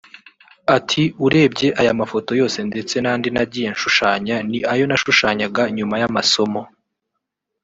Ati “ Urebye aya mafoto yose ndetse n’andi nagiye nshushanya ni ayo nashushanyaga nyuma y’amasomo